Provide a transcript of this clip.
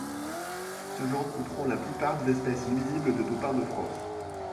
Ce genre comprend la plupart des espèces nuisibles de taupins de France.